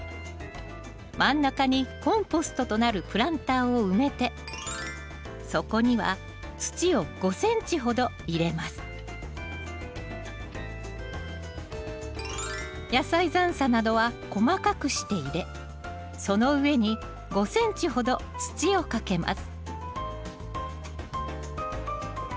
真ん中にコンポストとなるプランターを埋めて野菜残などは細かくして入れその上に５ｃｍほど土をかけます。